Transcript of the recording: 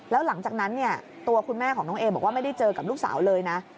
แล้วหลังจากนั้นเนี่ยตัวคุณแม่ของน้องเอบอกว่าไม่ได้เจอกับลูกสาวเลยนะ